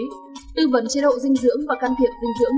tư vấn chế độ dinh dưỡng và can thiệp dinh dưỡng